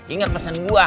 ingat pesen gue